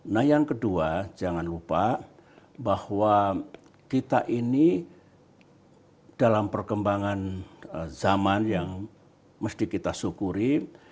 nah yang kedua jangan lupa bahwa kita ini dalam perkembangan zaman yang mesti kita syukuri